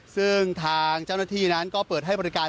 ซึ่งทางเจ้าหน้าที่นั้นก็เปิดให้บริการ